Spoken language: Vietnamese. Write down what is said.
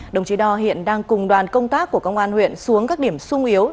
đồng chí đo hiện đang cùng đoàn công tác của công an huyện xuống các điểm sung yếu